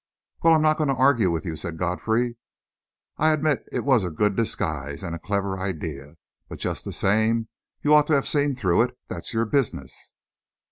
"Well, I'm not going to argue with you," said Godfrey. "I admit it was a good disguise, and a clever idea but, just the same, you ought to have seen through it. That's your business."